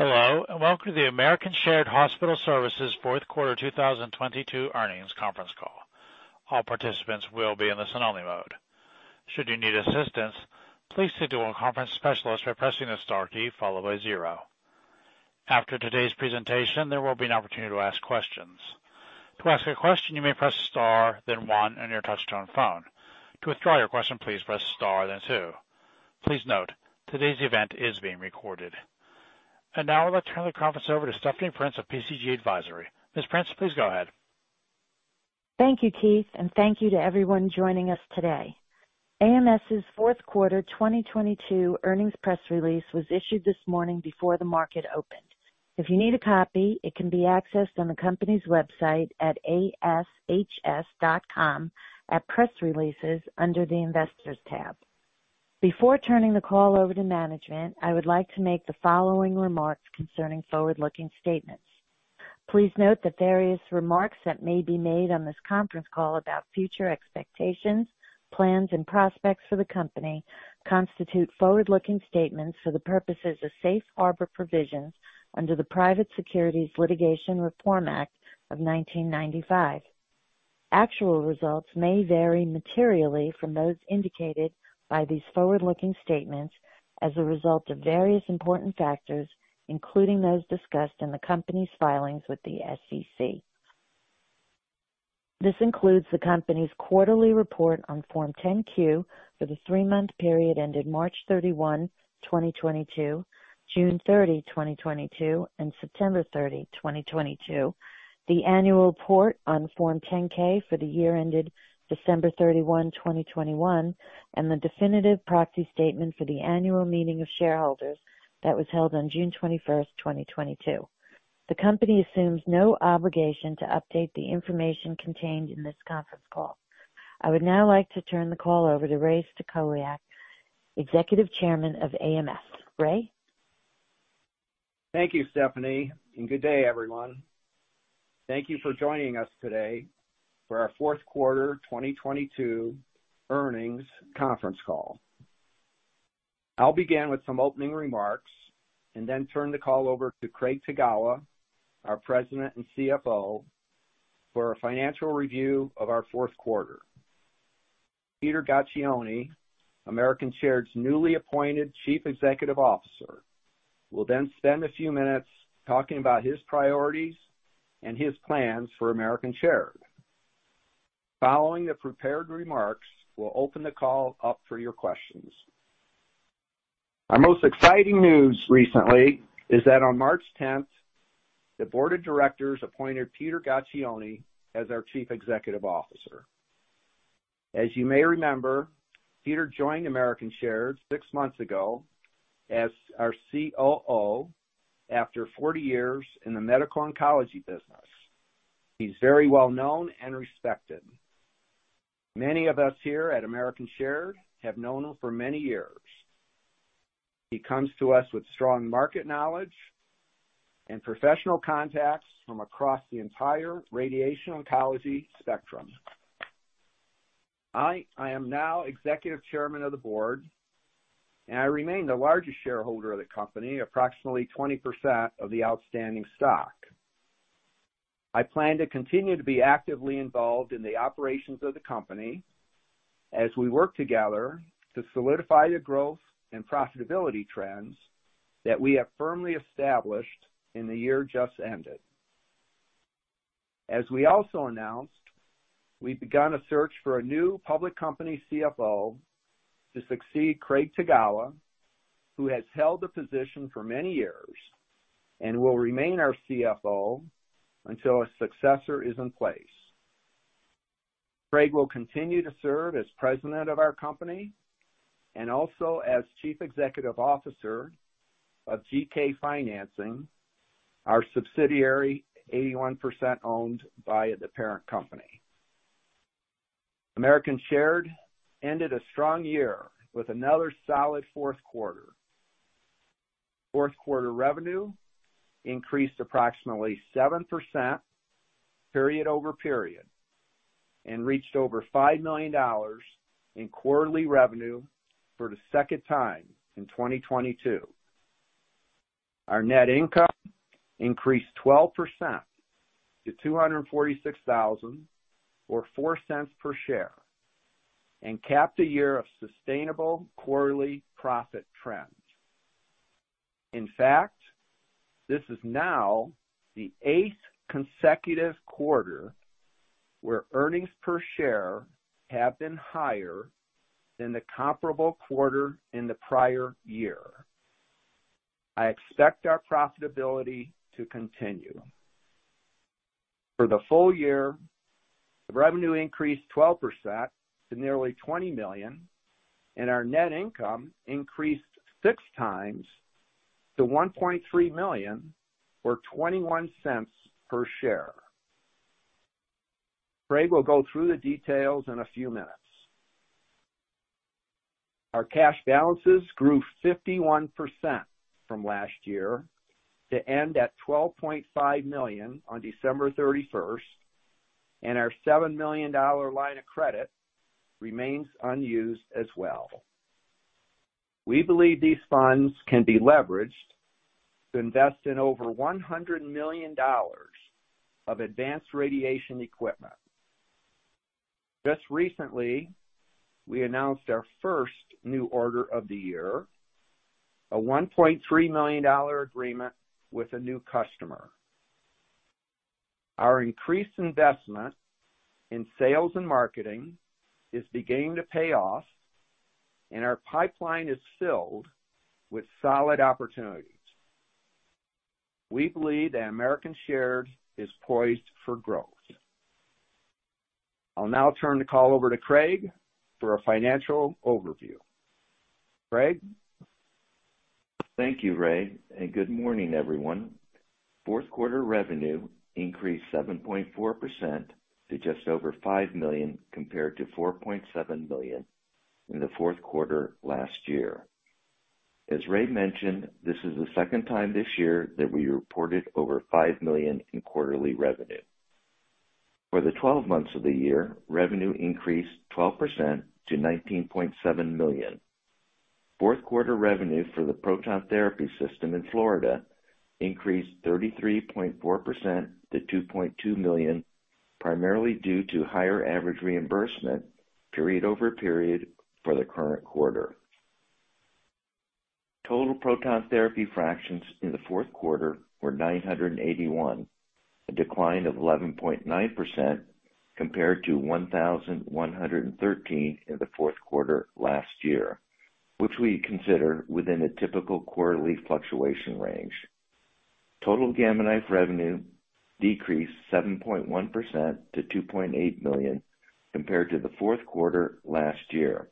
Hello, welcome to the American Shared Hospital Services fourth quarter 2022 earnings conference call. All participants will be in the listen only mode. Should you need assistance, please signal a conference specialist by pressing the star key followed by zero. After today's presentation, there will be an opportunity to ask questions. To ask a question, you may press star then one on your touchtone phone. To withdraw your question, please press star then two. Please note today's event is being recorded. Now I would like to turn the conference over to Stephanie Prince of PCG Advisory. Ms. Prince, please go ahead. Thank you, Keith. Thank you to everyone joining us today. AMS' fourth quarter 2022 earnings press release was issued this morning before the market opened. If you need a copy, it can be accessed on the company's website at ashs.com at Press Releases under the Investors tab. Before turning the call over to management, I would like to make the following remarks concerning forward-looking statements. Please note that various remarks that may be made on this conference call about future expectations, plans, and prospects for the company constitute forward-looking statements for the purposes of safe harbor provisions under the Private Securities Litigation Reform Act of 1995. Actual results may vary materially from those indicated by these forward-looking statements as a result of various important factors, including those discussed in the company's filings with the SEC. This includes the company's quarterly report on Form 10-Q for the three-month period ended March 31, 2022, June 30, 2022, and September 30, 2022, the annual report on Form 10-K for the year ended December 31, 2021, and the definitive proxy statement for the annual meeting of shareholders that was held on June 21st, 2022. The company assumes no obligation to update the information contained in this conference call. I would now like to turn the call over to Ray Stachowiak, Executive Chairman of AMS. Ray? Thank you, Stephanie. Good day, everyone. Thank you for joining us today for our fourth quarter 2022 earnings conference call. I'll begin with some opening remarks and then turn the call over to Craig Tagawa, our President and CFO, for a financial review of our fourth quarter. Peter Gaccione, American Shared's newly appointed Chief Executive Officer, will then spend a few minutes talking about his priorities and his plans for American Shared. Following the prepared remarks, we'll open the call up for your questions. Our most exciting news recently is that on March 10th, the board of directors appointed Peter Gaccione as our Chief Executive Officer. As you may remember, Peter joined American Shared six months ago as our COO after 40 years in the medical oncology business. He's very well known and respected. Many of us here at American Shared have known him for many years. He comes to us with strong market knowledge and professional contacts from across the entire radiation oncology spectrum. I am now Executive Chairman of the board, and I remain the largest shareholder of the company, approximately 20% of the outstanding stock. I plan to continue to be actively involved in the operations of the company as we work together to solidify the growth and profitability trends that we have firmly established in the year just ended. We also announced, we've begun a search for a new public company CFO to succeed Craig Tagawa, who has held the position for many years and will remain our CFO until a successor is in place. Craig will continue to serve as President of our company and also as Chief Executive Officer of GK Financing, our subsidiary 81% owned by the parent company. American Shared ended a strong year with another solid fourth quarter. Fourth quarter revenue increased approximately 7% period-over-period and reached over $5 million in quarterly revenue for the second time in 2022. Our net income increased 12% to $246,000 or $0.04 per share and capped a year of sustainable quarterly profit trends. In fact, this is now the eighth consecutive quarter where earnings per share have been higher than the comparable quarter in the prior year. I expect our profitability to continue. For the full year, the revenue increased 12% to nearly $20 million, and our net income increased 6x to $1.3 million or $0.21 per share. Craig will go through the details in a few minutes. Our cash balances grew 51% from last year to end at $12.5 million on December 31st. Our $7 million line of credit remains unused as well. We believe these funds can be leveraged to invest in over $100 million of advanced radiation equipment. Just recently, we announced our first new order of the year, a $1.3 million agreement with a new customer. Our increased investment in sales and marketing is beginning to pay off, and our pipeline is filled with solid opportunities. We believe that American Shared is poised for growth. I'll now turn the call over to Craig for a financial overview. Craig? Thank you, Ray. Good morning, everyone. Fourth quarter revenue increased 7.4% to just over $5 million, compared to $4.7 million in the fourth quarter last year. As Ray mentioned, this is the second time this year that we reported over $5 million in quarterly revenue. For the 12 months of the year, revenue increased 12% to $19.7 million. Fourth quarter revenue for the proton therapy system in Florida increased 33.4% to $2.2 million, primarily due to higher average reimbursement period-over-period for the current quarter. Total proton therapy fractions in the fourth quarter were 981, a decline of 11.9% compared to 1,113 in the fourth quarter last year, which we consider within a typical quarterly fluctuation range. Total Gamma Knife revenue decreased 7.1% to $2.8 million compared to the fourth quarter last year.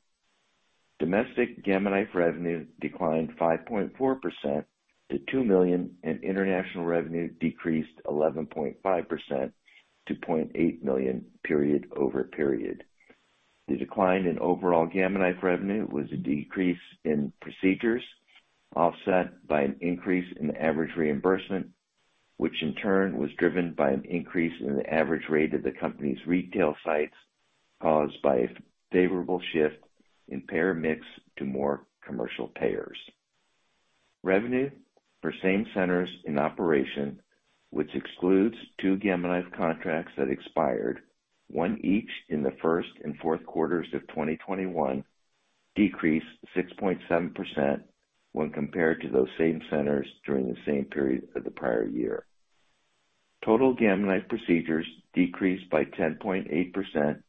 Domestic Gamma Knife revenue declined 5.4% to $2 million. International revenue decreased 11.5% to $0.8 million period-over-period. The decline in overall Gamma Knife revenue was a decrease in procedures offset by an increase in the average reimbursement, which in turn was driven by an increase in the average rate of the company's retail sites, caused by a favorable shift in payer mix to more commercial payers. Revenue for same centers in operation, which excludes two Gamma Knife contracts that expired, one each in the first and fourth quarters of 2021, decreased 6.7% when compared to those same centers during the same period of the prior year. Total Gamma Knife procedures decreased by 10.8%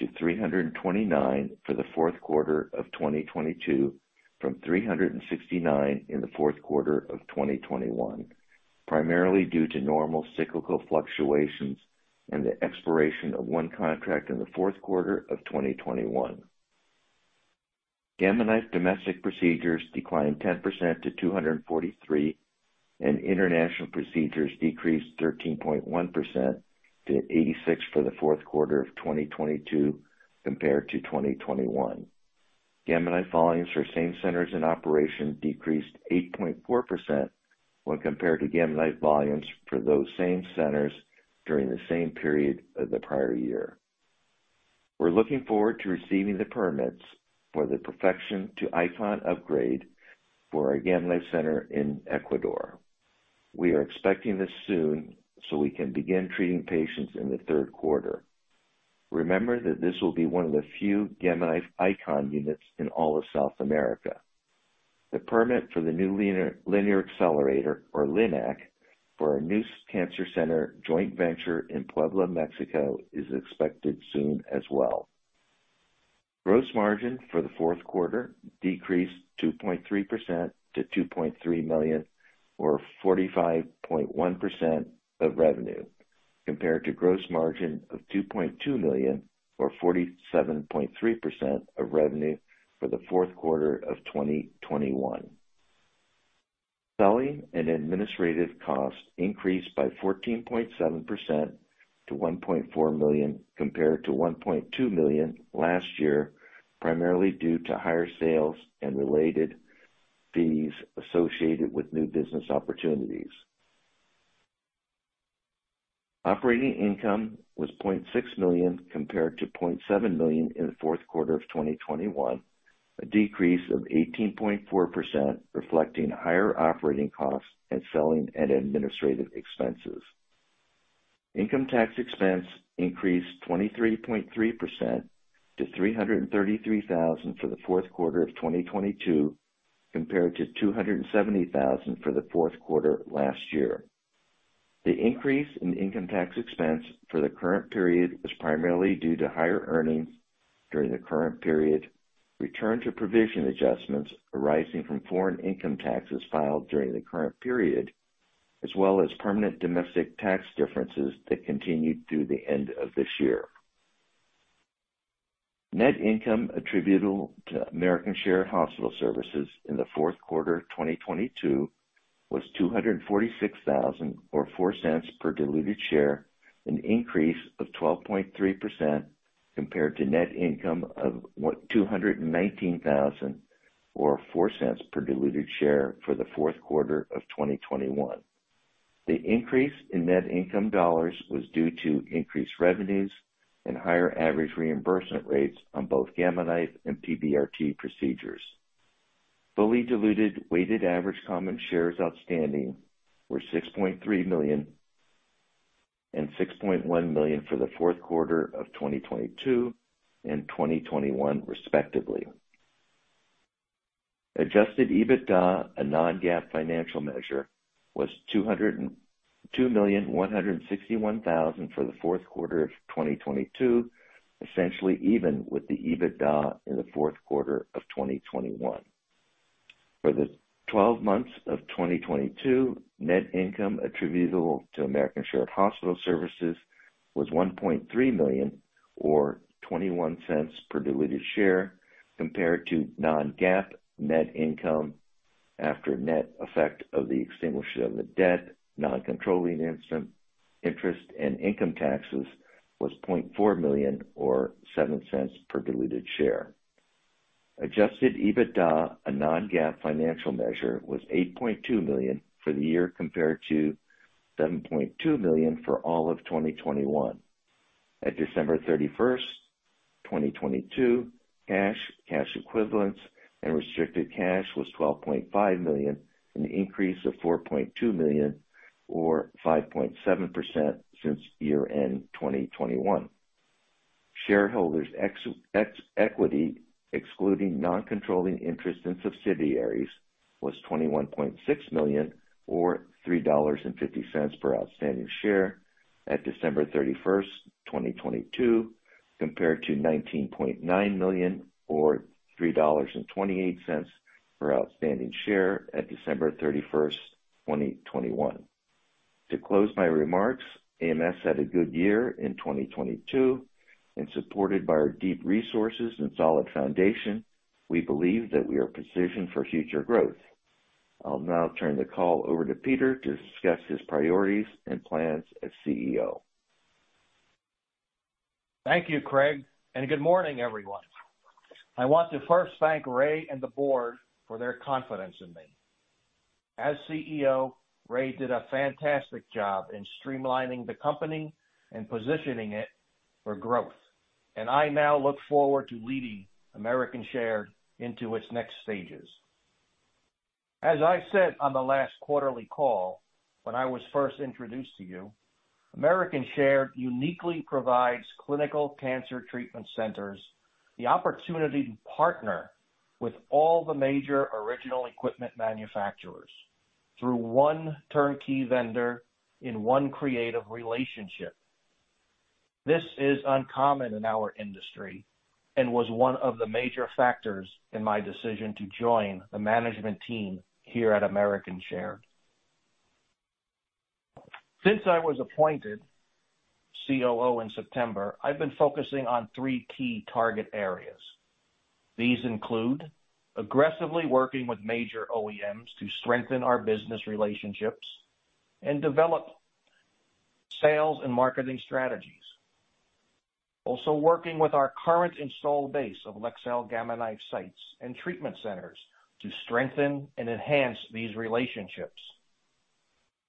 to 329 for the fourth quarter of 2022 from 369 in the fourth quarter of 2021, primarily due to normal cyclical fluctuations and the expiration of one contract in the fourth quarter of 2021. Gamma Knife domestic procedures declined 10% to 243, and international procedures decreased 13.1% to 86 for the fourth quarter of 2022 compared to 2021. Gamma Knife volumes for same centers in operation decreased 8.4% when compared to Gamma Knife volumes for those same centers during the same period of the prior year. We're looking forward to receiving the permits for the Perfexion to Icon upgrade for our Gamma Knife center in Ecuador. We are expecting this soon so we can begin treating patients in the third quarter. Remember that this will be one of the few Gamma Knife Icon units in all of South America. The permit for the new linear accelerator, or LINAC, for our new cancer center joint venture in Puebla, Mexico, is expected soon as well. Gross margin for the fourth quarter decreased 2.3% to $2.3 million, or 45.1% of revenue, compared to gross margin of $2.2 million, or 47.3% of revenue for the fourth quarter of 2021. Selling and administrative costs increased by 14.7% to $1.4 million compared to $1.2 million last year, primarily due to higher sales and related fees associated with new business opportunities. Operating income was $0.6 million compared to $0.7 million in the fourth quarter of 2021, a decrease of 18.4%, reflecting higher operating costs and selling and administrative expenses. Income tax expense increased 23.3% to $333,000 for the fourth quarter of 2022 compared to $270,000 for the fourth quarter last year. The increase in income tax expense for the current period was primarily due to higher earnings during the current period, return to provision adjustments arising from foreign income taxes filed during the current period, as well as permanent domestic tax differences that continued through the end of this year. Net income attributable to American Shared Hospital Services in the fourth quarter 2022 was $246,000 or $0.04 per diluted share, an increase of 12.3% compared to net income of $219,000, or $0.04 per diluted share for the fourth quarter of 2021. The increase in net income dollars was due to increased revenues and higher average reimbursement rates on both Gamma Knife and PBRT procedures. Fully diluted weighted average common shares outstanding were 6.3 million and 6.1 million for the fourth quarter of 2022 and 2021 respectively. Adjusted EBITDA, a non-GAAP financial measure, was $202,161,000 for the fourth quarter of 2022, essentially even with the EBITDA in the fourth quarter of 2021. For the 12 months of 2022, net income attributable to American Shared Hospital Services was $1.3 million or $0.21 per diluted share compared to non-GAAP net income after net effect of the extinguishment of debt, non-controlling interest and income taxes was $0.4 million or $0.07 per diluted share. Adjusted EBITDA, a non-GAAP financial measure, was $8.2 million for the year compared to $7.2 million for all of 2021. At December 31st, 2022, cash equivalents and restricted cash was $12.5 million, an increase of $4.2 million or 5.7% since year-end 2021. Shareholders equity, excluding non-controlling interest in subsidiaries, was $21.6 million or $3.50 per outstanding share at December 31st, 2022 compared to $19.9 million or $3.28 per outstanding share at December 31st, 2021. To close my remarks, AMS had a good year in 2022 and supported by our deep resources and solid foundation, we believe that we are positioned for future growth. I'll now turn the call over to Peter to discuss his priorities and plans as CEO. Thank you, Craig. Good morning, everyone. I want to first thank Ray and the board for their confidence in me. As CEO, Ray did a fantastic job in streamlining the company and positioning it for growth, and I now look forward to leading American Shared into its next stages. As I said on the last quarterly call, when I was first introduced to you, American Shared uniquely provides clinical cancer treatment centers the opportunity to partner with all the major original equipment manufacturers through one turnkey vendor in one creative relationship. This is uncommon in our industry and was one of the major factors in my decision to join the management team here at American Shared. Since I was appointed COO in September, I've been focusing on three key target areas. These include aggressively working with major OEMs to strengthen our business relationships and develop sales and marketing strategies. Also working with our current installed base of Leksell Gamma Knife sites and treatment centers to strengthen and enhance these relationships.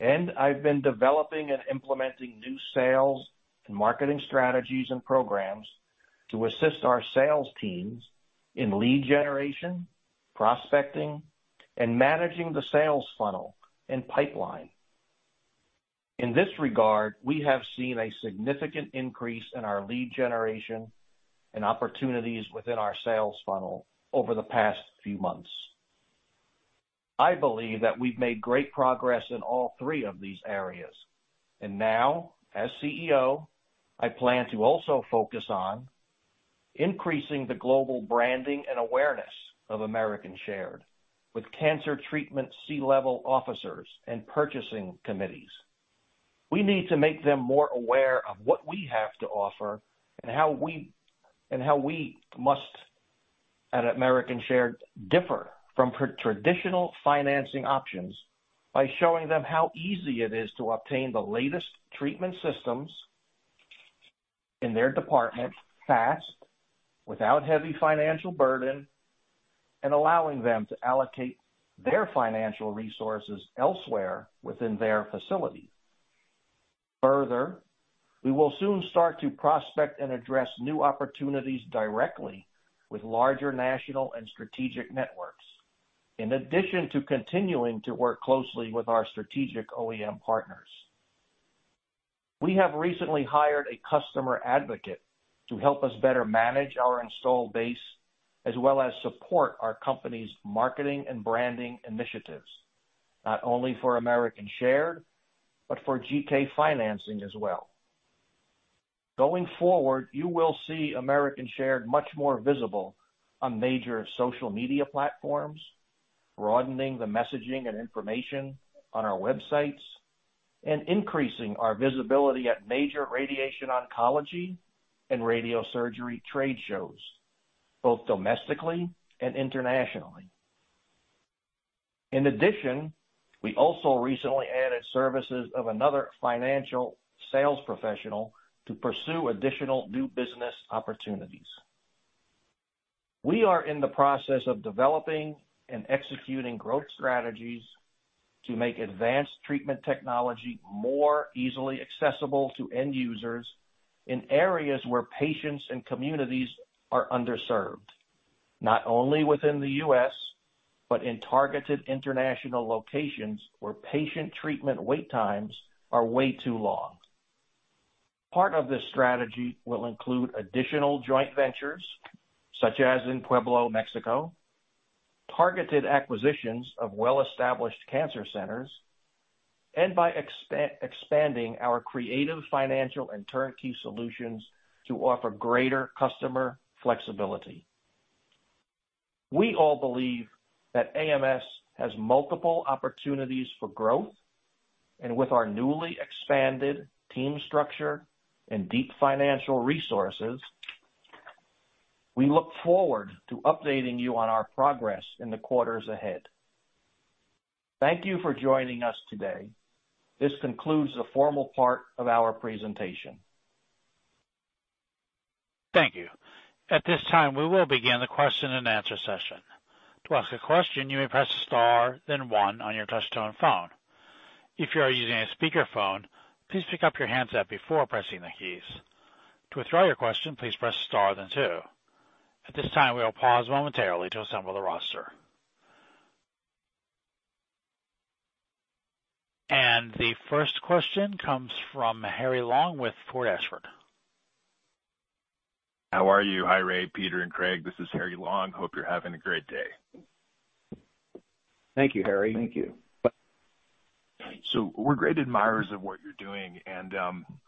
I've been developing and implementing new sales and marketing strategies and programs to assist our sales teams in lead generation, prospecting, and managing the sales funnel and pipeline. In this regard, we have seen a significant increase in our lead generation and opportunities within our sales funnel over the past few months. I believe that we've made great progress in all three of these areas. Now, as CEO, I plan to also focus on increasing the global branding and awareness of American Shared with cancer treatment C-level officers and purchasing committees. We need to make them more aware of what we have to offer and how we must, at American Shared, differ from traditional financing options by showing them how easy it is to obtain the latest treatment systems in their department fast, without heavy financial burden, and allowing them to allocate their financial resources elsewhere within their facility. Further, we will soon start to prospect and address new opportunities directly with larger national and strategic networks, in addition to continuing to work closely with our strategic OEM partners. We have recently hired a customer advocate to help us better manage our installed base, as well as support our company's marketing and branding initiatives, not only for American Shared, but for GK Financing as well. Going forward, you will see American Shared much more visible on major social media platforms, broadening the messaging and information on our websites, and increasing our visibility at major radiation oncology and radiosurgery trade shows, both domestically and internationally. In addition, we also recently added services of another financial sales professional to pursue additional new business opportunities. We are in the process of developing and executing growth strategies to make advanced treatment technology more easily accessible to end users in areas where patients and communities are underserved, not only within the U.S., but in targeted international locations where patient treatment wait times are way too long. Part of this strategy will include additional joint ventures, such as in Puebla, Mexico, targeted acquisitions of well-established cancer centers, and by expanding our creative financial and turnkey solutions to offer greater customer flexibility. We all believe that AMS has multiple opportunities for growth, and with our newly expanded team structure and deep financial resources, we look forward to updating you on our progress in the quarters ahead. Thank you for joining us today. This concludes the formal part of our presentation. Thank you. At this time, we will begin the question-and-answer session. To ask a question, you may press star, then one on your Touch-Tone phone. If you are using a speakerphone, please pick up your handset before pressing the keys. To withdraw your question, please press star then two. At this time, we will pause momentarily to assemble the roster. The first question comes from Harry Long with Fort Ashford. How are you? Hi, Ray, Peter and Craig. This is Harry Long. Hope you're having a great day. Thank you, Harry. Thank you. We're great admirers of what you're doing, and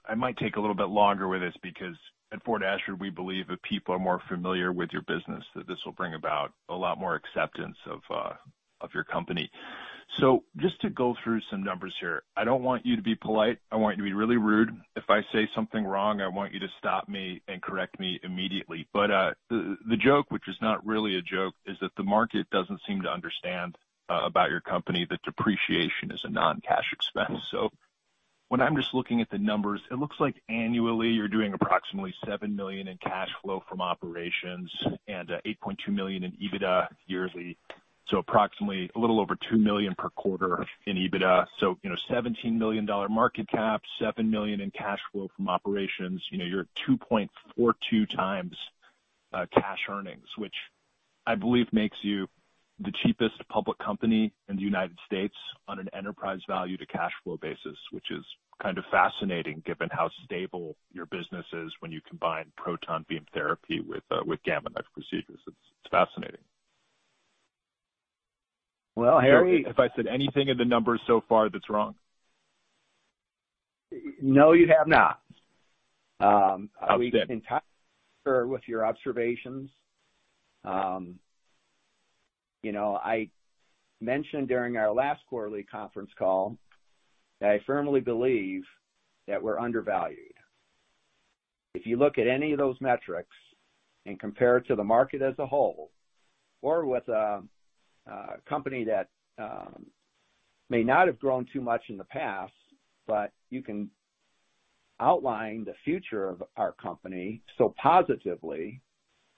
I might take a little bit longer with this because at Fort Ashford, we believe if people are more familiar with your business that this will bring about a lot more acceptance of your company. Just to go through some numbers here, I don't want you to be polite. I want you to be really rude. If I say something wrong, I want you to stop me and correct me immediately. The joke, which is not really a joke, is that the market doesn't seem to understand about your company that depreciation is a non-cash expense. So when I'm just looking at the numbers, it looks like annually you're doing approximately $7 million in cash flow from operations and $8.2 million in EBITDA yearly. Approximately a little over $2 million per quarter in EBITDA. $17 million market cap, $7 million in cash flow from operations. You know, you're at 2.42x cash earnings, which I believe makes you the cheapest public company in the United States on an enterprise value to cash flow basis, which is kind of fascinating given how stable your business is when you combine Proton Beam Therapy with with Gamma Knife procedures. It's fascinating. Well, Harry. If I said anything in the numbers so far that's wrong. No, you have not. We can tie with your observations. You know, I mentioned during our last quarterly conference call that I firmly believe that we're undervalued. If you look at any of those metrics and compare it to the market as a whole or with a company that may not have grown too much in the past, but you can outline the future of our company so positively,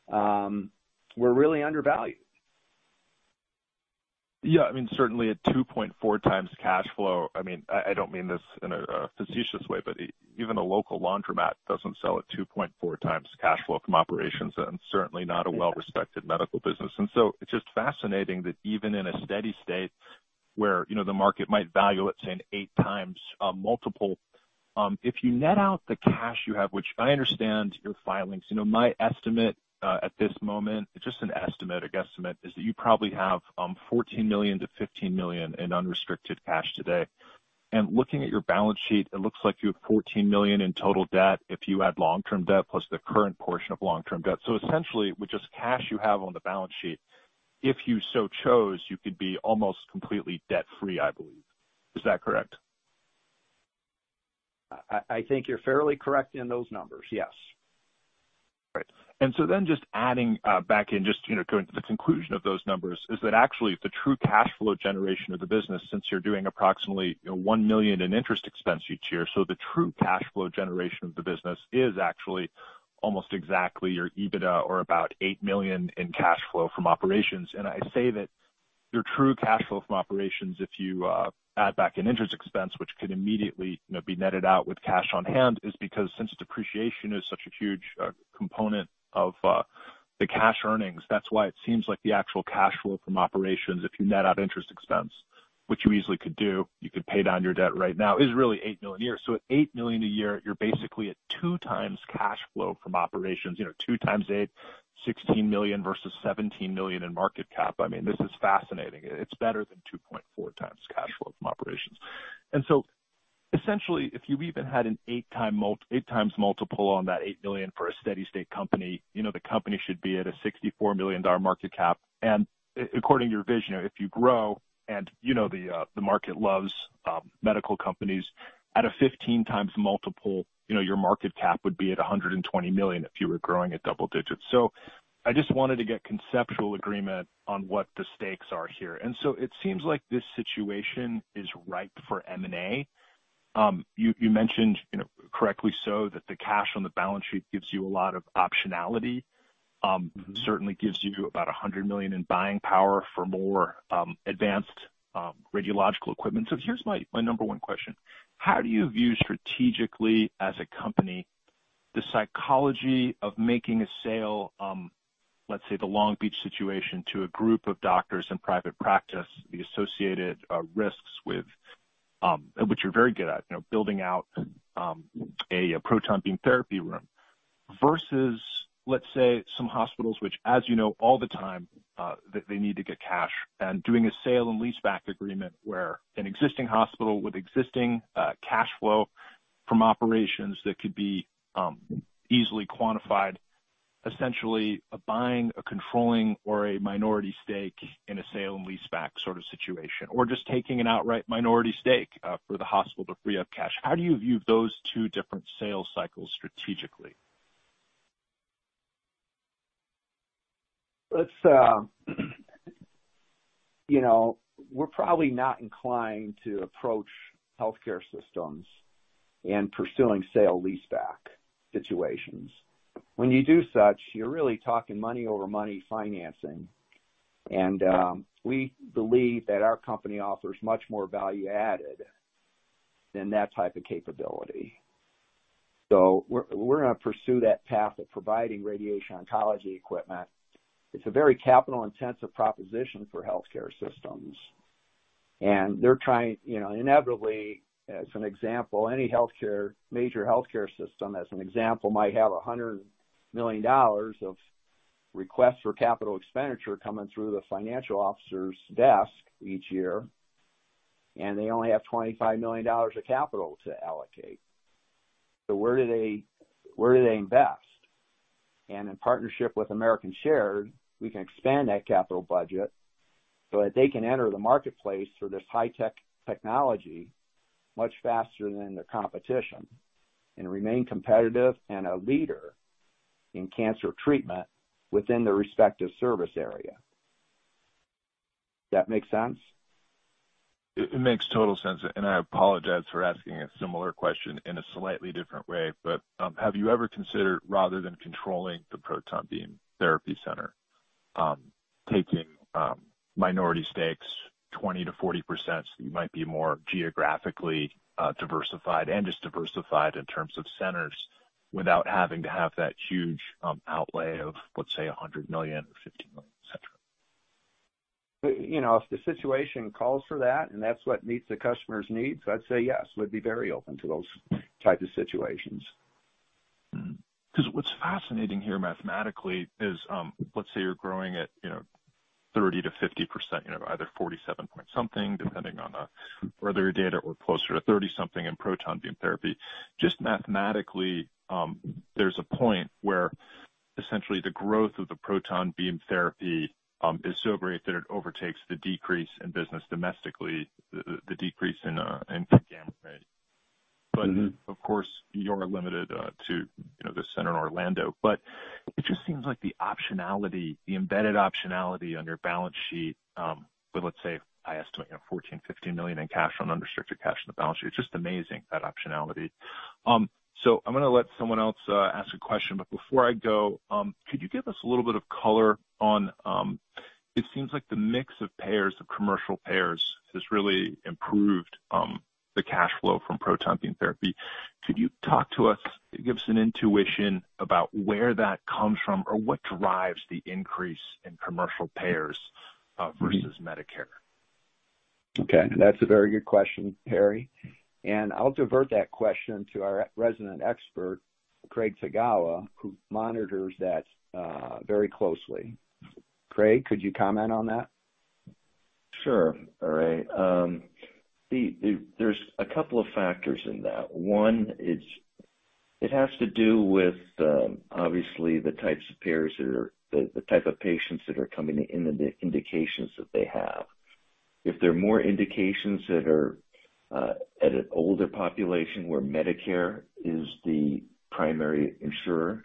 we're really undervalued. Yeah, I mean, certainly at 2.4x cash flow, I don't mean this in a facetious way, but even a local laundromat doesn't sell at 2.4x cash flow from operations, and certainly not a well-respected medical business. It's just fascinating that even in a steady state where, you know, the market might value it, say, an 8x multiple, if you net out the cash you have, which I understand your filings, you know, my estimate at this moment, it's just an estimate, a guesstimate, is that you probably have $14 million-$15 million in unrestricted cash today. Looking at your balance sheet, it looks like you have $14 million in total debt if you add long-term debt plus the current portion of long-term debt. Essentially, with just cash you have on the balance sheet, if you so chose, you could be almost completely debt-free, I believe. Is that correct? I think you're fairly correct in those numbers. Yes. Great. Just adding back in, just, you know, going to the conclusion of those numbers is that actually the true cash flow generation of the business, since you're doing approximately $1 million in interest expense each year. The true cash flow generation of the business is actually almost exactly your EBITDA or about $8 million in cash flow from operations. I say that your true cash flow from operations, if you add back in interest expense, which could immediately, you know, be netted out with cash on hand, is because since depreciation is such a huge component of the cash earnings, that's why it seems like the actual cash flow from operations if you net out interest expense, which you easily could do, you could pay down your debt right now, is really $8 million a year. At $8 million a year, you're basically at 2x cash flow from operations. You know, 2x8, $16 million versus $17 million in market cap. I mean, this is fascinating. It's better than 2.4x cash flow from operations. Essentially, if you even had an 8x multiple on that $8 million for a steady state company, you know, the company should be at a $64 million market cap. According to your vision, if you grow and, you know, the market loves medical companies at a 15x multiple, you know, your market cap would be at $120 million if you were growing at double digits. I just wanted to get conceptual agreement on what the stakes are here. It seems like this situation is ripe for M&A. You, you mentioned, you know, correctly so that the cash on the balance sheet gives you a lot of optionality. Certainly gives you about $100 million in buying power for more advanced radiological equipment. Here's my number one question. How do you view strategically as a company, the psychology of making a sale, let's say the Long Beach situation, to a group of doctors in private practice, the associated risks with, which you're very good at, you know, building out a Proton Beam Therapy room versus, let's say, some hospitals which, as you know, all the time, that they need to get cash and doing a sale and leaseback agreement where an existing hospital with existing cash flow from operations that could be easily quantified, essentially buying a controlling or a minority stake in a sale and leaseback sort of situation. Or just taking an outright minority stake, for the hospital to free up cash. How do you view those two different sales cycles strategically? Let's, you know, we're probably not inclined to approach healthcare systems in pursuing sale leaseback situations. When you do such, you're really talking money-over-money financing. We believe that our company offers much more value added than that type of capability. We're gonna pursue that path of providing radiation oncology equipment. It's a very capital-intensive proposition for healthcare systems. Inevitably, as an example, any healthcare, major healthcare system, as an example, might have $100 million of requests for capital expenditure coming through the financial officer's desk each year, and they only have $25 million of capital to allocate. Where do they invest? In partnership with American Shared, we can expand that capital budget so that they can enter the marketplace for this high-tech technology much faster than their competition and remain competitive and a leader in cancer treatment within their respective service area. That make sense? It makes total sense. I apologize for asking a similar question in a slightly different way, but, have you ever considered, rather than controlling the Proton Beam Therapy center, taking minority stakes 20% to 40%, so you might be more geographically diversified and just diversified in terms of centers without having to have that huge outlay of, let's say, $100 million or $50 million, et cetera? You know, if the situation calls for that and that's what meets the customer's needs, I'd say yes. We'd be very open to those types of situations. 'Cause what's fascinating here mathematically is, let's say you're growing at, you know, 30%-50%, you know, either 47 point something, depending on the earlier data, or closer to 30 something in Proton Beam Therapy. Just mathematically, there's a point where essentially the growth of the Proton Beam Therapy is so great that it overtakes the decrease in business domestically, the decrease in Gamma Knife. Of course, you're limited to, you know, the center in Orlando. It just seems like the optionality, the embedded optionality on your balance sheet, with let's say I estimate, you know, $14 million-$15 million in cash, on unrestricted cash on the balance sheet. It's just amazing, that optionality. I'm gonna let someone else ask a question, but before I go, could you give us a little bit of color on, it seems like the mix of payers, of commercial payers has really improved, the cash flow from Proton Beam Therapy. Could you talk to us, give us an intuition about where that comes from or what drives the increase in commercial payers versus Medicare? Okay. That's a very good question, Harry. I'll divert that question to our resident expert, Craig Tagawa, who monitors that very closely. Craig, could you comment on that? Sure, Ray. There's a couple of factors in that. One is it has to do with obviously the types of payers that are the type of patients that are coming in and the indications that they have. If there are more indications that are at an older population where Medicare is the primary insurer,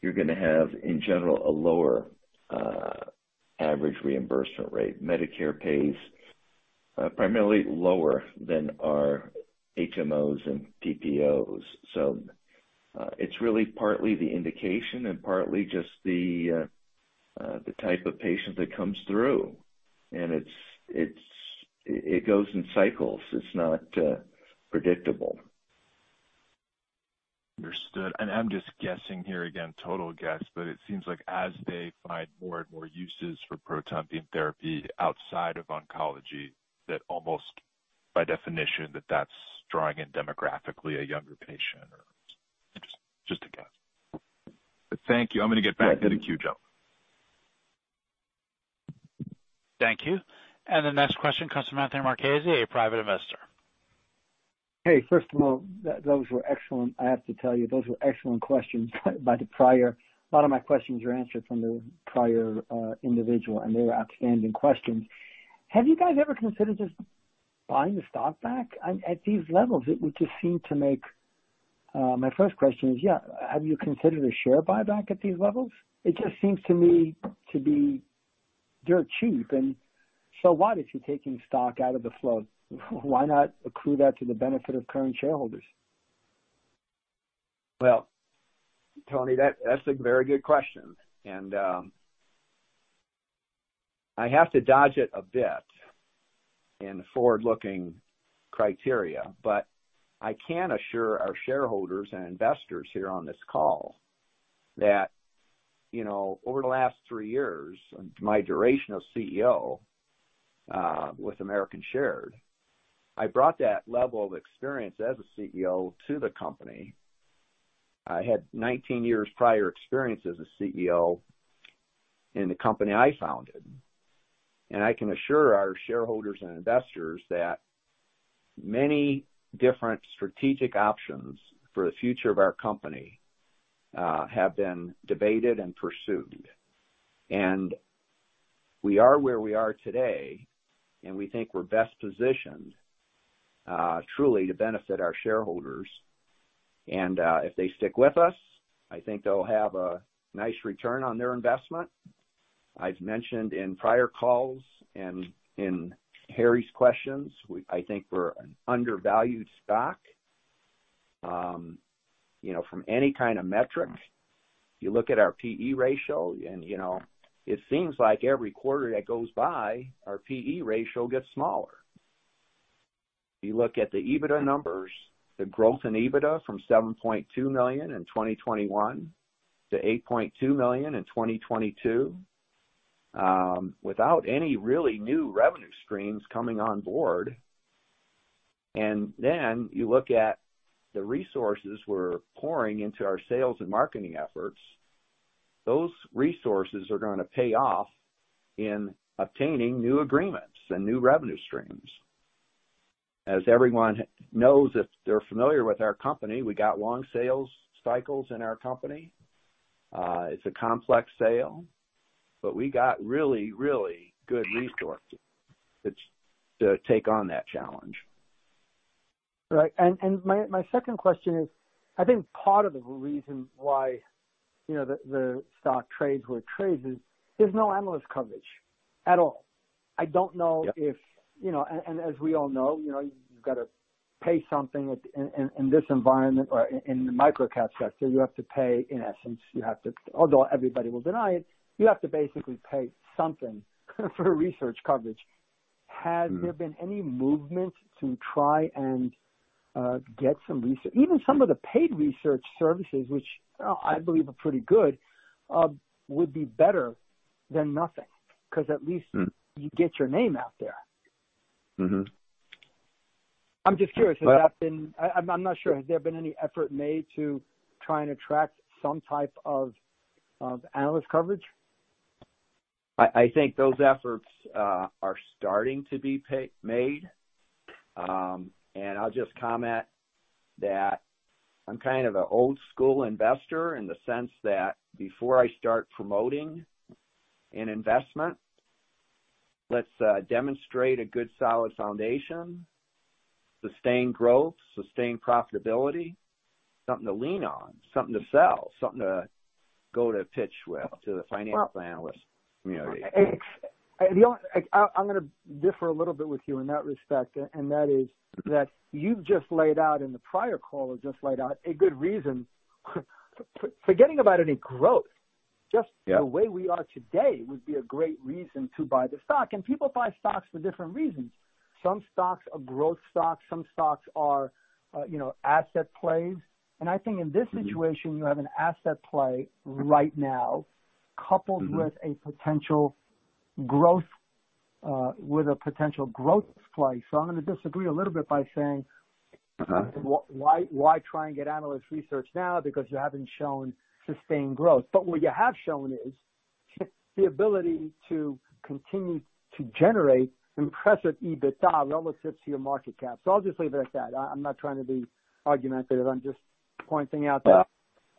you're gonna have, in general, a lower average reimbursement rate. Medicare pays primarily lower than our HMOs and PPOs. It's really partly the indication and partly just the type of patient that comes through. It's, it goes in cycles. It's not predictable. Understood. I'm just guessing here, again, total guess, but it seems like as they find more and more uses for Proton Beam Therapy outside of oncology, that almost by definition that's drawing in demographically a younger patient or. Just a guess. Thank you. I'm gonna get back to the queue, Joe. Thank you. The next question comes from Anthony Marchese, a Private Investor. Hey, first of all, those were excellent. I have to tell you, those were excellent questions by the prior. A lot of my questions were answered from the prior individual, and they were outstanding questions. Have you guys ever considered just buying the stock back? At these levels, it would just seem to make. My first question is, yeah, have you considered a share buyback at these levels? It just seems to me to be dirt cheap and so why, if you're taking stock out of the float, why not accrue that to the benefit of current shareholders? Well, Tony, that's a very good question. I have to dodge it a bit in the forward-looking criteria, but I can assure our shareholders and investors here on this call that, you know, over the last three years, my duration of CEO with American Shared, I brought that level of experience as a CEO to the company. I had 19 years prior experience as a CEO in the company I founded. I can assure our shareholders and investors that many different strategic options for the future of our company have been debated and pursued. We are where we are today, and we think we're best positioned truly to benefit our shareholders. If they stick with us, I think they'll have a nice return on their investment. I've mentioned in prior calls and in Harry's questions, I think we're an undervalued stock, you know, from any kind of metrics. You look at our P/E ratio and, you know, it seems like every quarter that goes by, our P/E ratio gets smaller. You look at the EBITDA numbers, the growth in EBITDA from $7.2 million in 2021 to $8.2 million in 2022, without any really new revenue streams coming on board. You look at the resources we're pouring into our sales and marketing efforts. Those resources are gonna pay off in obtaining new agreements and new revenue streams. As everyone knows, if they're familiar with our company, we got long sales cycles in our company. It's a complex sale, but we got really good resources to take on that challenge. Right. My second question is, I think part of the reason why, you know, the stock trades where it trades is there's no analyst coverage at all. Yep. I don't know if, you know, and as we all know, you know, you've gotta pay something. In this environment or in the microcap sector, you have to pay, in essence. Although everybody will deny it, you have to basically pay something for research coverage. Mm-hmm. Has there been any movement to try and get some research? Even some of the paid research services, which I believe are pretty good, would be better than nothing because at least. Mm. you'd get your name out there. Mm-hmm. I'm just curious. But- I'm not sure. Has there been any effort made to try and attract some type of analyst coverage? I think those efforts are starting to be made. I'll just comment that I'm kind of an old school investor in the sense that before I start promoting an investment, let's demonstrate a good, solid foundation, sustained growth, sustained profitability, something to lean on, something to sell, something to go to pitch with to the financial analyst community. I'm gonna differ a little bit with you in that respect, and that is that you've just laid out in the prior call, or just laid out a good reason. For getting about any growth- Yeah. just the way we are today would be a great reason to buy the stock. People buy stocks for different reasons. Some stocks are growth stocks, some stocks are, you know, asset plays. Mm-hmm. I think in this situation, you have an asset play right now. Mm-hmm. Coupled with a potential growth play. I'm gonna disagree a little bit by saying... Okay. Why, why try and get analyst research now because you haven't shown sustained growth. What you have shown is the ability to continue to generate impressive EBITDA relative to your market cap. I'll just leave it at that. I'm not trying to be argumentative. I'm just pointing out that.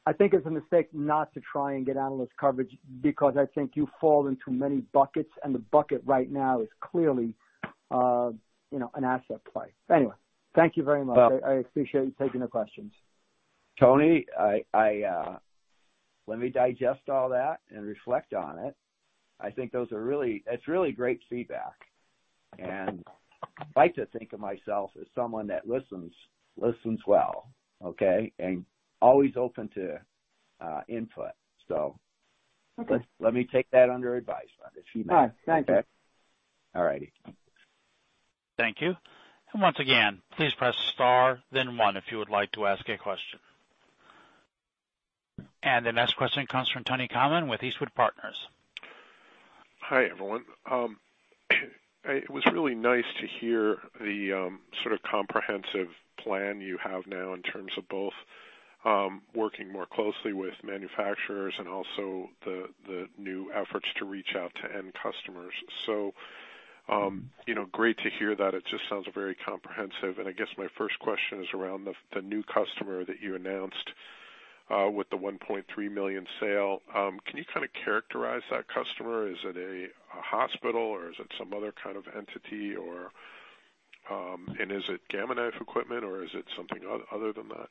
Yeah. I think it's a mistake not to try and get analyst coverage because I think you fall into many buckets, and the bucket right now is clearly, you know, an asset play. Thank you very much. Well- I appreciate you taking the questions. Tony, I let me digest all that and reflect on it. It's really great feedback. I like to think of myself as someone that listens well, okay? Always open to input. Okay. Let me take that under advisement, if you may. All right. Thank you. All righty. Thank you. Once again, please press star then one if you would like to ask a question. The next question comes from Tony Kamin with Eastwood Partners. Hi, everyone. It was really nice to hear the sort of comprehensive plan you have now in terms of both working more closely with manufacturers and also the new efforts to reach out to end customers. You know, great to hear that. It just sounds very comprehensive. I guess my first question is around the new customer that you announced with the $1.3 million sale, can you kind of characterize that customer? Is it a hospital or is it some other kind of entity or, and is it Gamma Knife equipment or is it something other than that?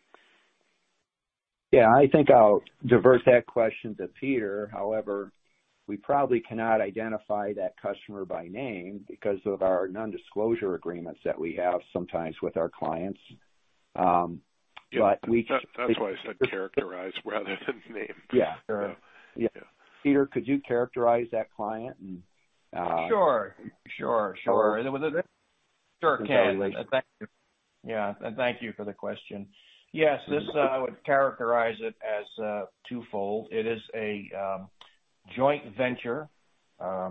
Yeah, I think I'll divert that question to Peter. However, we probably cannot identify that customer by name because of our non-disclosure agreements that we have sometimes with our clients. Yeah. That's why I said characterize rather than name. Yeah. Sure. Yeah. Yeah. Peter, could you characterize that client? Sure. Sure. Sure. Congratulations. Sure can. Thank you. Yeah. Thank you for the question. Yes, this, I would characterize it as twofold. It is a joint venture, a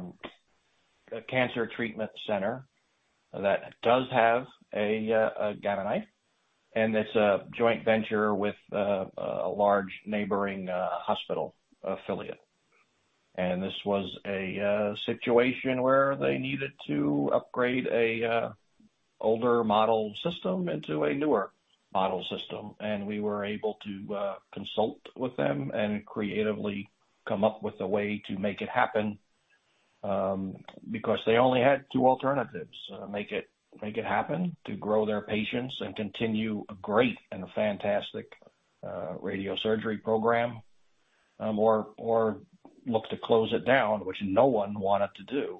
cancer treatment center that does have a Gamma Knife, and it's a joint venture with a large neighboring hospital affiliate. This was a situation where they needed to upgrade a older model system into a newer model system, and we were able to consult with them and creatively come up with a way to make it happen, because they only had two alternatives: make it happen to grow their patients and continue a great and a fantastic radiosurgery program, or look to close it down, which no one wanted to do.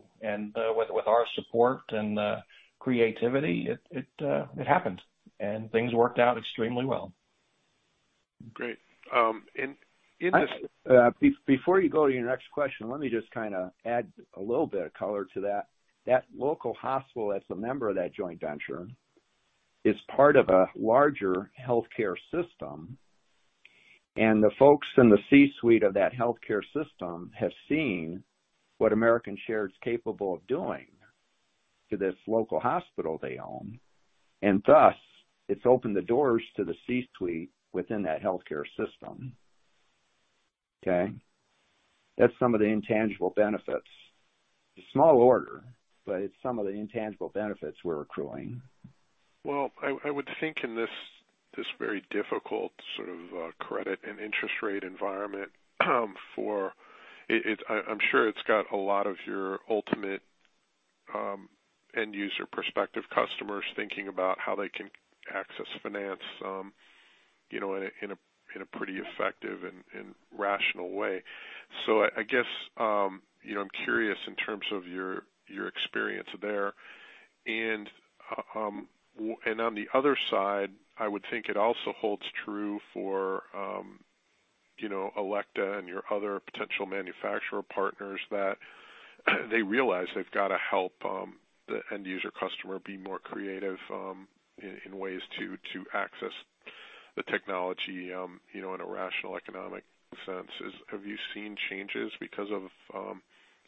With our support and creativity, it happened, and things worked out extremely well. Great. Before you go to your next question, let me just kinda add a little bit of color to that. That local hospital, as a member of that joint venture, is part of a larger healthcare system, and the folks in the C-suite of that healthcare system have seen what American Shared is capable of doing to this local hospital they own. Thus, it's opened the doors to the C-suite within that healthcare system. Okay? That's some of the intangible benefits. A small order, but it's some of the intangible benefits we're accruing. Well, I would think in this very difficult sort of credit and interest rate environment, for I'm sure it's got a lot of your ultimate end user prospective customers thinking about how they can access finance, you know, in a, in a, in a pretty effective and rational way. I guess, you know, I'm curious in terms of your experience there. On the other side, I would think it also holds true for, you know, Elekta and your other potential manufacturer partners that they realize they've got to help the end user customer be more creative, in ways to access the technology, you know, in a rational economic sense. Have you seen changes because of,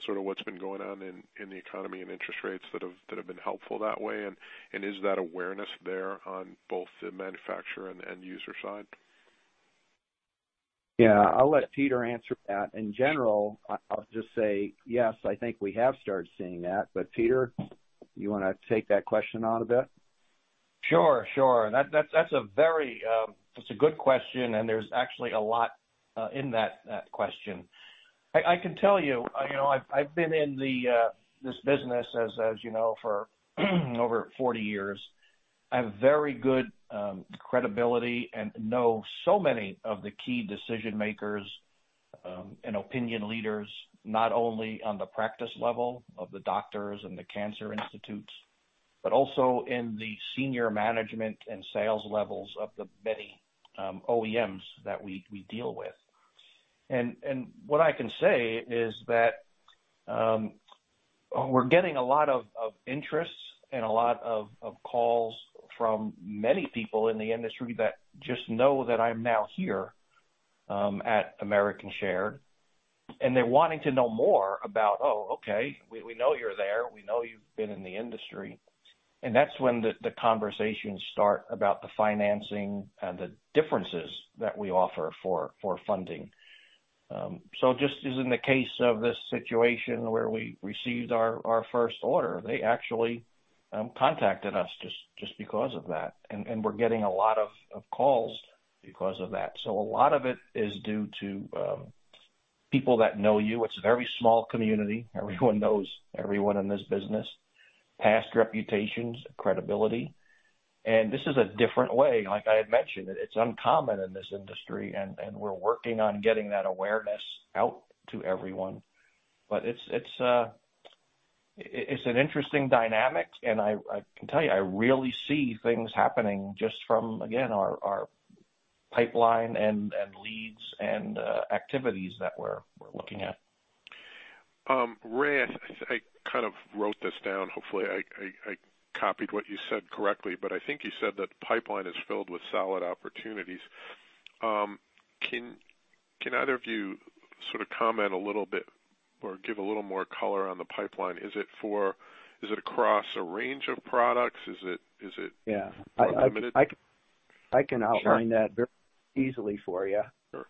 sort of what's been going on in the economy and interest rates that have been helpful that way? Is that awareness there on both the manufacturer and end user side? Yeah. I'll let Peter answer that. In general, I'll just say, yes, I think we have started seeing that. Peter, you wanna take that question on a bit? Sure. That's a very good question. There's actually a lot in that question. I can tell you know, I've been in this business as you know, for over 40 years. I have very good credibility and know so many of the key decision makers and opinion leaders, not only on the practice level of the doctors and the cancer institutes, but also in the senior management and sales levels of the many OEMs that we deal with. What I can say is that we're getting a lot of interest and a lot of calls from many people in the industry that just know that I'm now here at American Shared, and they're wanting to know more about, "Oh, okay, we know you're there. We know you've been in the industry." That's when the conversations start about the financing and the differences that we offer for funding. Just as in the case of this situation where we received our first order, they actually contacted us just because of that. We're getting a lot of calls because of that. A lot of it is due to people that know you. It's a very small community. Everyone knows everyone in this business. Past reputations, credibility. This is a different way. Like I had mentioned, it's uncommon in this industry, and we're working on getting that awareness out to everyone. It's an interesting dynamic, and I can tell you, I really see things happening just from, again, our pipeline and leads and activities that we're looking at. Ray, I kind of wrote this down. Hopefully, I copied what you said correctly, but I think you said that the pipeline is filled with solid opportunities. Can either of you sort of comment a little bit or give a little more color on the pipeline? Is it across a range of products? Is it- Yeah.... More limited? I can outline that. Sure. very easily for you. Sure.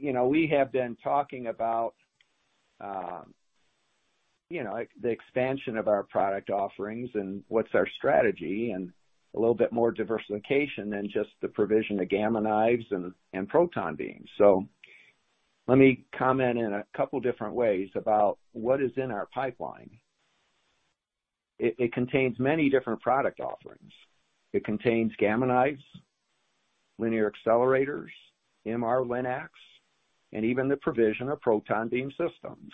You know, we have been talking about, you know, the expansion of our product offerings and what's our strategy and a little bit more diversification than just the provision of Gamma Knives and proton beams. Let me comment in a couple different ways about what is in our pipeline. It contains many different product offerings. It contains Gamma Knives, linear accelerators, MR-Linacs, and even the provision of proton beam systems.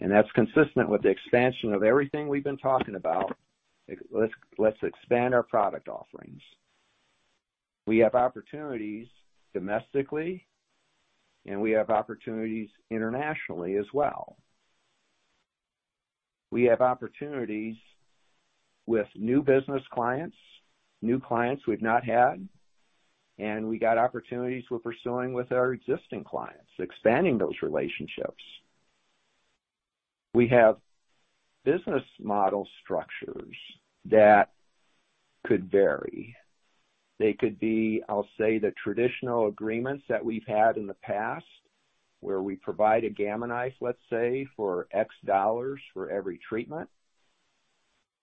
That's consistent with the expansion of everything we've been talking about. Let's expand our product offerings. We have opportunities domestically, and we have opportunities internationally as well. We have opportunities with new business clients, new clients we've not had, and we got opportunities we're pursuing with our existing clients, expanding those relationships. We have business model structures that could vary. They could be, I'll say, the traditional agreements that we've had in the past, where we provide a Gamma Knife, let's say, for $X for every treatment.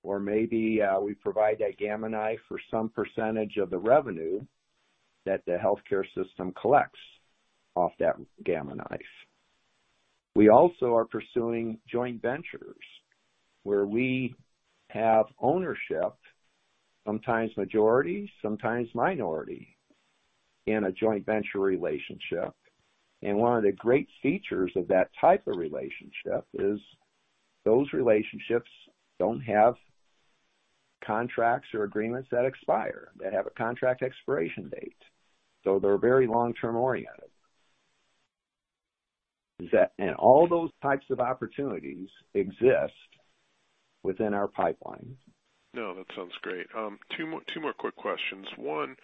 Maybe, we provide that Gamma Knife for some percentage of the revenue that the healthcare system collects off that Gamma Knife. We also are pursuing joint ventures where we have ownership, sometimes majority, sometimes minority, in a joint venture relationship. One of the great features of that type of relationship is those relationships don't have contracts or agreements that expire, that have a contract expiration date. They're very long-term oriented. All those types of opportunities exist within our pipeline. No, that sounds great. two more quick questions. One,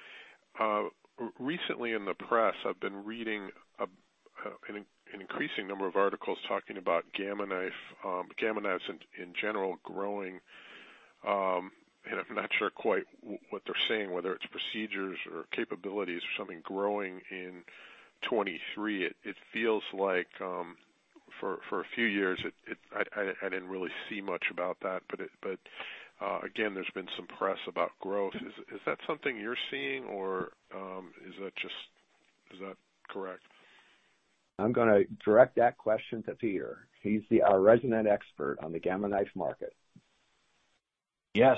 recently in the press, I've been reading an increasing number of articles talking about Gamma Knife, Gamma Knives in general growing, and I'm not sure quite what they're saying, whether it's procedures or capabilities or something growing in 23. It feels like for a few years, I didn't really see much about that. Again, there's been some press about growth. Is that something you're seeing or is that just... Is that correct? I'm gonna direct that question to Peter. He's our resident expert on the Gamma Knife market. Yes.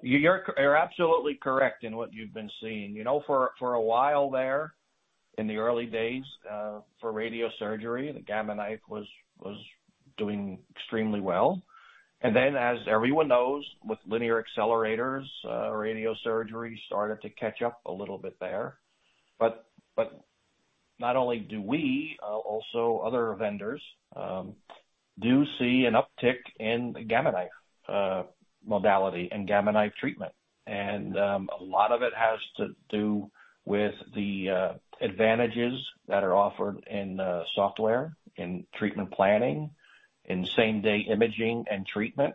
You're absolutely correct in what you've been seeing. You know, for a while there in the early days, for radiosurgery, the Gamma Knife was doing extremely well. As everyone knows, with linear accelerators, radiosurgery started to catch up a little bit there. Not only do we, also other vendors, do see an uptick in Gamma Knife, modality and Gamma Knife treatment. A lot of it has to do with the advantages that are offered in software, in treatment planning, in same-day imaging and treatment.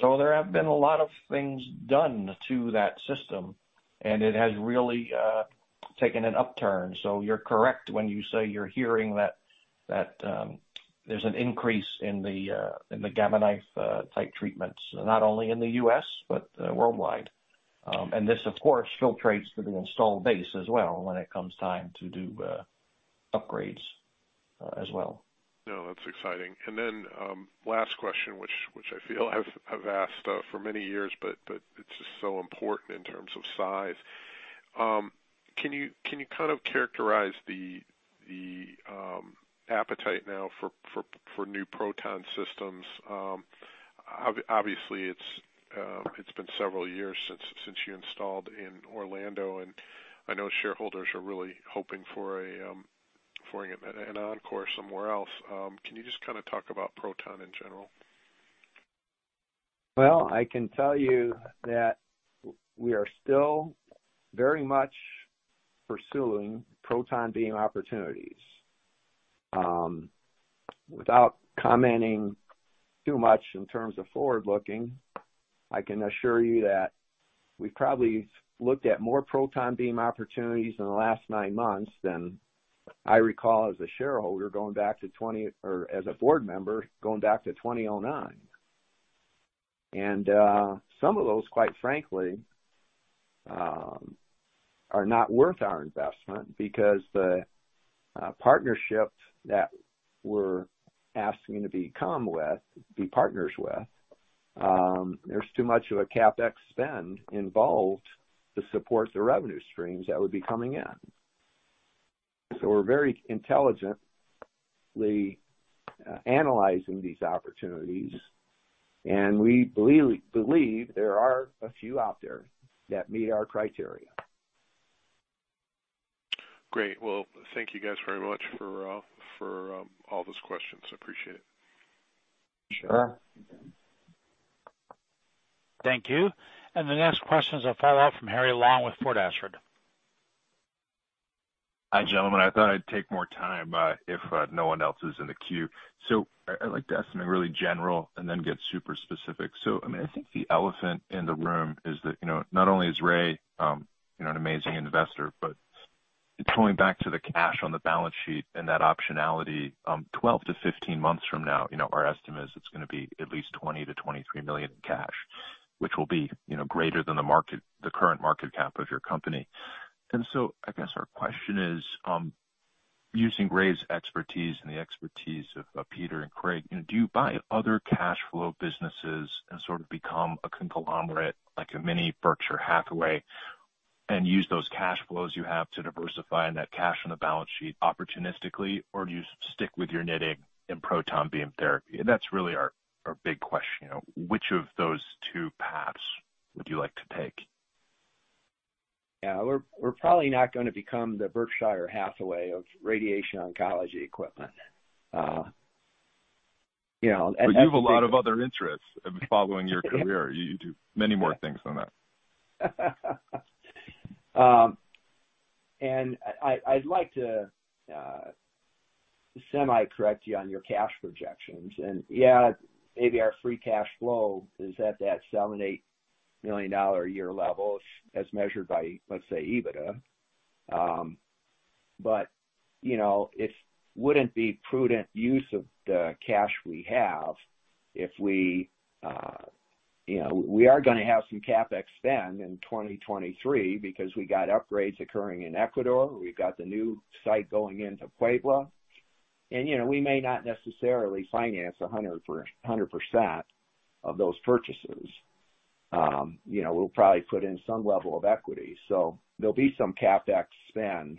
There have been a lot of things done to that system, and it has really taken an upturn. You're correct when you say you're hearing that, there's an increase in the in the Gamma Knife type treatments, not only in the U.S., but worldwide. This, of course, filtrates to the installed base as well when it comes time to do upgrades as well. No, that's exciting. Last question, which I feel I've asked, for many years, but it's just so important in terms of size. Can you kind of characterize the appetite now for new proton systems? Obviously, it's been several years since you installed in Orlando, and I know shareholders are really hoping for an encore somewhere else. Can you just kinda talk about proton in general? Well, I can tell you that we are still very much pursuing proton beam opportunities. Without commenting too much in terms of forward-looking, I can assure you that we've probably looked at more proton beam opportunities in the last nine months than I recall as a shareholder or as a board member, going back to 2009. Some of those, quite frankly, are not worth our investment because the partnerships that we're asking to be partners with, there's too much of a CapEx spend involved to support the revenue streams that would be coming in. We're very intelligently analyzing these opportunities, and we believe there are a few out there that meet our criteria. Great. Well, thank you guys very much for all those questions. Appreciate it. Sure. Thank you. The next question is a follow-up from Harry Long with Fort Ashford. Hi, gentlemen. I thought I'd take more time, if no one else is in the queue. I'd like to ask something really general and then get super specific. I mean, I think the elephant in the room is that, you know, not only is Ray, you know, an amazing investor, but going back to the cash on the balance sheet and that optionality, 12-15 months from now, you know, our estimate is it's gonna be at least $20 million-$23 million in cash, which will be, you know, greater than the current market cap of your company. I guess our question is, using Ray's expertise and the expertise of Peter and Craig, you know, do you buy other cash flow businesses and sort of become a conglomerate like a mini Berkshire Hathaway and use those cash flows you have to diversify and that cash on the balance sheet opportunistically, or do you stick with your knitting in Proton Beam Therapy? That's really our big question. Which of those two paths would you like to take? Yeah. We're probably not gonna become the Berkshire Hathaway of radiation oncology equipment. You know. You have a lot of other interests following your career. You do many more things than that. I'd like to semi-correct you on your cash projections. Yeah, maybe our free cash flow is at that $7 million-$8 million a year level as measured by, let's say, EBITDA. You know, it wouldn't be prudent use of the cash we have if we. You know, we are going to have some CapEx spend in 2023 because we got upgrades occurring in Ecuador. We've got the new site going into Puebla. You know, we may not necessarily finance 100% of those purchases. You know, we'll probably put in some level of equity. There'll be some CapEx spend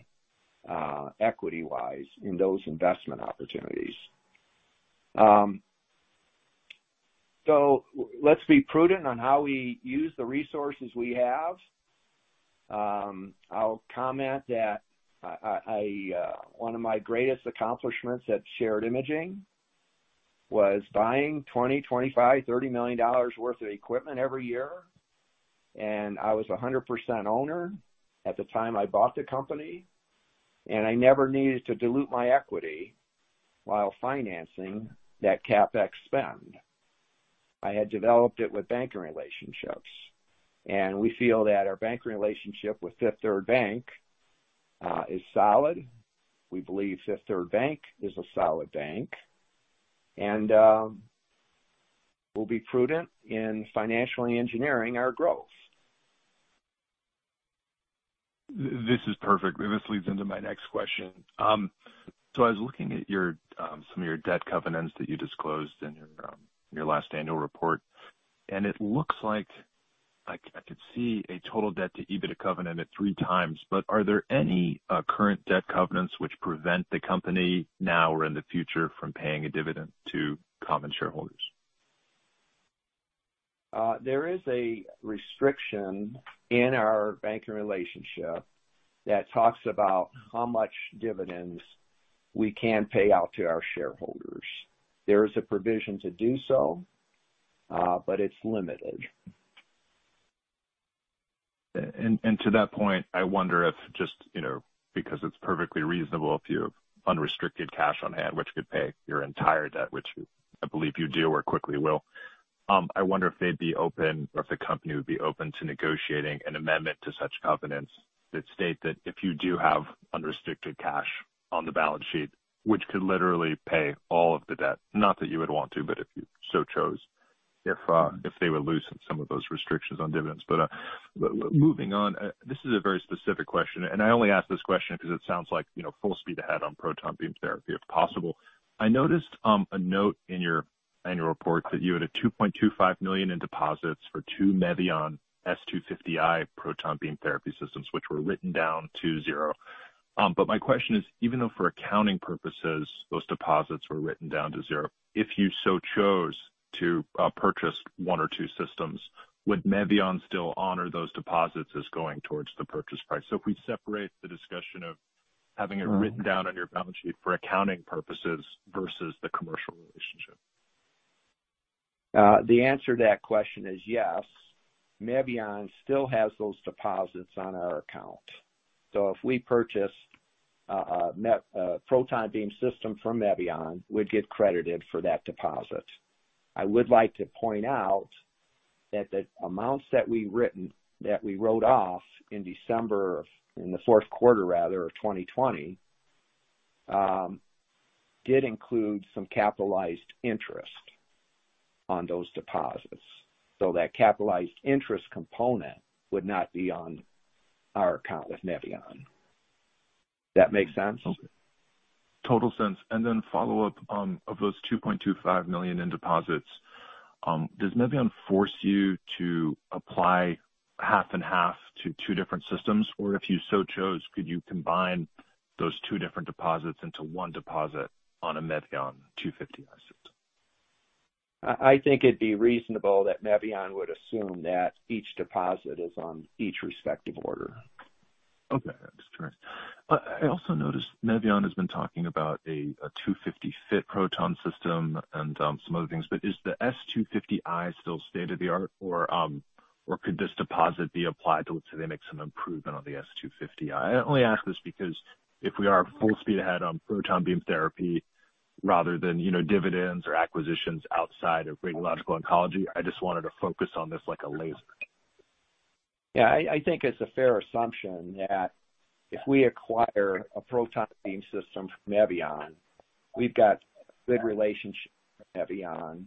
equity-wise in those investment opportunities. Let's be prudent on how we use the resources we have. I'll comment that I, one of my greatest accomplishments at Shared Imaging was buying $20 million, $25 million, $30 million worth of equipment every year. I was a 100% owner at the time I bought the company, and I never needed to dilute my equity while financing that CapEx spend. I had developed it with banker relationships, and we feel that our banker relationship with Fifth Third Bank is solid. We believe Fifth Third Bank is a solid bank, and we'll be prudent in financially engineering our growth. This is perfect. This leads into my next question. I was looking at your, some of your debt covenants that you disclosed in your your last annual report. It looks like I could see a total debt to EBITDA covenant at 3x. Are there any current debt covenants which prevent the company now or in the future from paying a dividend to common shareholders? There is a restriction in our banking relationship that talks about how much dividends we can pay out to our shareholders. There is a provision to do so, but it's limited. To that point, I wonder if just, you know, because it's perfectly reasonable if you have unrestricted cash on hand, which could pay your entire debt, which I believe you do or quickly will. I wonder if they'd be open or if the company would be open to negotiating an amendment to such covenants that state that if you do have unrestricted cash on the balance sheet, which could literally pay all of the debt, not that you would want to, but if you so chose, if they would loosen some of those restrictions on dividends. Moving on, this is a very specific question, and I only ask this question because it sounds like, you know, full speed ahead on Proton Beam Therapy if possible. I noticed, a note in your annual report that you had a $2.25 million in deposits for two MEVION S250i Proton Beam Therapy systems, which were written down to zero. My question is, even though for accounting purposes those deposits were written down to zero, if you so chose to purchase one or two systems, would Mevion still honor those deposits as going towards the purchase price? If we separate the discussion of having it written down on your balance sheet for accounting purposes versus the commercial relationship. The answer to that question is yes. Mevion still has those deposits on our account. If we purchase a proton beam system from Mevion, we'd get credited for that deposit. I would like to point out that the amounts that we wrote off in the fourth quarter rather of 2020 did include some capitalized interest on those deposits. That capitalized interest component would not be on our account with Mevion. That make sense? Total sense. Follow-up, of those $2.25 million in deposits, does Mevion force you to apply half and half to two different systems? If you so chose, could you combine those two different deposits into one deposit on a MEVION S250i system? I think it'd be reasonable that Mevion would assume that each deposit is on each respective order. Okay. That's fair. I also noticed Mevion has been talking about a S250-FIT proton system and some other things. Is the S250i still state of the art or could this deposit be applied to let's say they make some improvement on the S250i? I only ask this because. If we are full speed ahead on Proton Beam Therapy rather than, you know, dividends or acquisitions outside of radiological oncology, I just wanted to focus on this like a laser. Yeah, I think it's a fair assumption that if we acquire a proton beam system from Mevion, we've got good relationship with Mevion.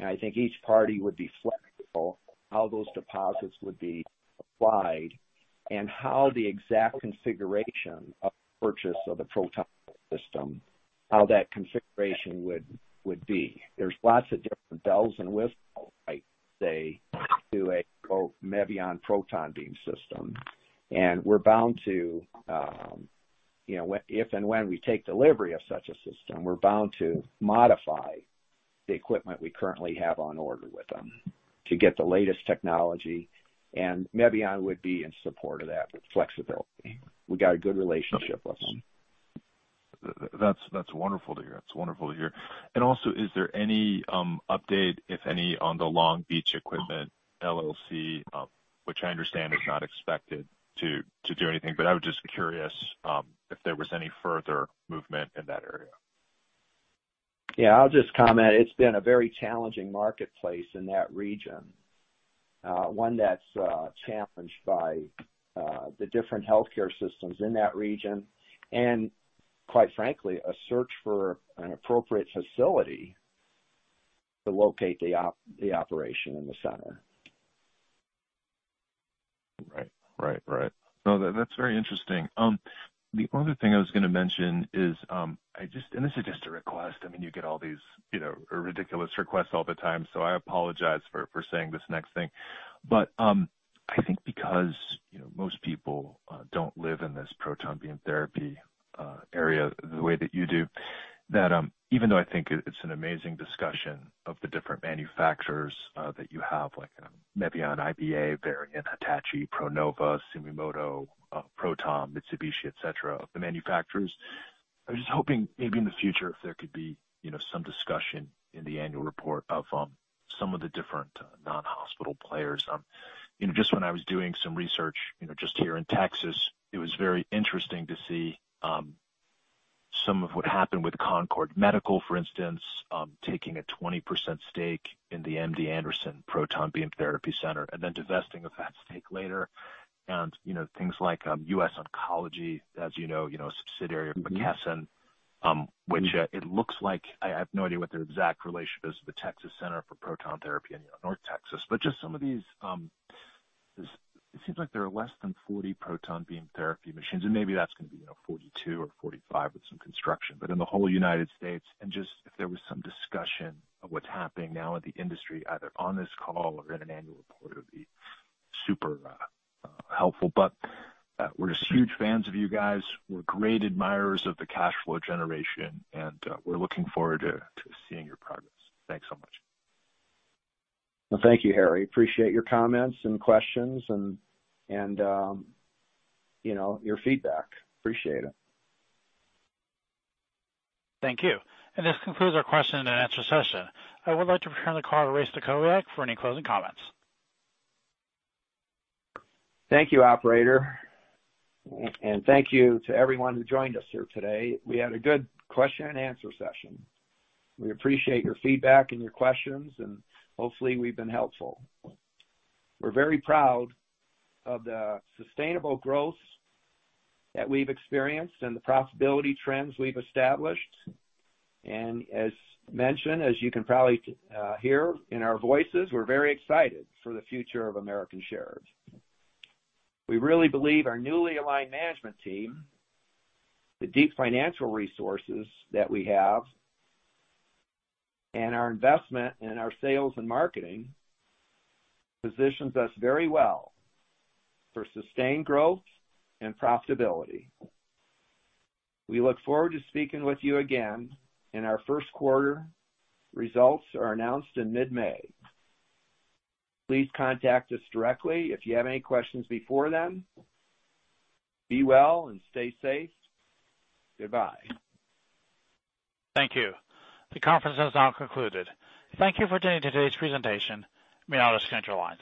I think each party would be flexible how those deposits would be applied and how the exact configuration of purchase of the proton system, how that configuration would be. There's lots of different bells and whistles, I say, to a, quote, "Mevion proton beam system." We're bound to, you know, if and when we take delivery of such a system, we're bound to modify the equipment we currently have on order with them to get the latest technology, and Mevion would be in support of that flexibility. We got a good relationship with them. That's wonderful to hear. That's wonderful to hear. Also, is there any update, if any, on the Long Beach Equipment, LLC, which I understand is not expected to do anything, but I was just curious, if there was any further movement in that area? Yeah, I'll just comment. It's been a very challenging marketplace in that region. One that's challenged by the different healthcare systems in that region and, quite frankly, a search for an appropriate facility to locate the operation in the center. Right. Right. Right. That's very interesting. The only thing I was gonna mention is this is just a request. I mean, you get all these, you know, ridiculous requests all the time, I apologize for saying this next thing. I think because, you know, most people don't live in this Proton Beam Therapy area the way that you do, that even though I think it's an amazing discussion of the different manufacturers that you have, like Mevion, IBA, Varian, Hitachi, ProNova, Sumitomo, ProTom, Mitsubishi, et cetera, the manufacturers. I was just hoping maybe in the future if there could be, you know, some discussion in the annual report of some of the different non-hospital players. You know, just when I was doing some research, you know, just here in Texas, it was very interesting to see, some of what happened with Concord Medical, for instance, taking a 20% stake in the MD Anderson Proton Beam Therapy Center and then divesting of that stake later. You know, things like, US Oncology, as you know, you know, a subsidiary of McKesson, which, it looks like I have no idea what their exact relationship is with the Texas Center for Proton Therapy in, you know, North Texas. Just some of these, it seems like there are less than 40 Proton Beam Therapy machines, and maybe that's gonna be, you know, 42 or 45 with some construction. In the whole United States, and just if there was some discussion of what's happening now in the industry, either on this call or in an annual report, it would be super, helpful. We're just huge fans of you guys. We're great admirers of the cash flow generation, and we're looking forward to seeing your progress. Thanks so much. Thank you, Harry. Appreciate your comments and questions and, you know, your feedback. Appreciate it. Thank you. This concludes our question and answer session. I would like to return the call to Ray Stachowiak for any closing comments. Thank you, operator. Thank you to everyone who joined us here today. We had a good question and answer session. We appreciate your feedback and your questions, and hopefully we've been helpful. We're very proud of the sustainable growth that we've experienced and the profitability trends we've established. As mentioned, as you can probably hear in our voices, we're very excited for the future of American Shared. We really believe our newly aligned management team, the deep financial resources that we have, and our investment in our sales and marketing positions us very well for sustained growth and profitability. We look forward to speaking with you again. Our first quarter results are announced in mid-May. Please contact us directly if you have any questions before then. Be well and stay safe. Goodbye. Thank you. The conference has now concluded. Thank you for attending today's presentation. You may now disconnect your lines.